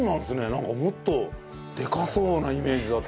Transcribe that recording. なんかもっとでかそうなイメージだったけど。